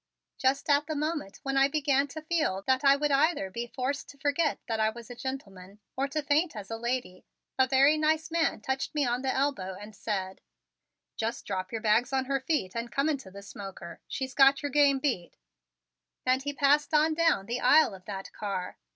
Just at the moment when I began to feel that I would either be forced to forget that I was a gentleman or to faint as a lady, a very nice man touched me on the elbow and said: "Just drop your bag on her feet and come into the smoker. She's got your game beat," and he passed on down the aisle of that car.